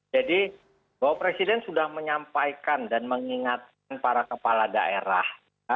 jadi pak presiden sudah menyampaikan dan mengingatkan para kepala daerah